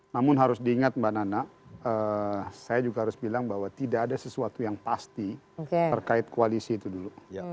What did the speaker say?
namun harus diingat mbak nana saya juga harus bilang bahwa tidak ada sesuatu yang pasti terkait koalisi itu dulu